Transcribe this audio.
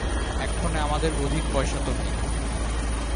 এক্ষণে আমাদের অধিক পয়সা তো নাই।